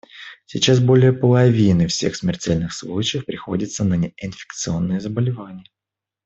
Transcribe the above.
Сейчас более половины всех смертельных случаев приходится на неинфекционные заболевания.